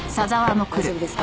大丈夫ですか？